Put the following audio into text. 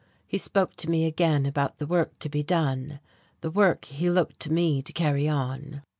He spoke to me again about the work to be done, the work he looked to me to carry on.